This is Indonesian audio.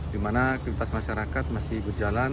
di mana aktivitas masyarakat masih berjalan